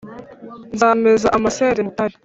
Nzameza amasederi mu butayu,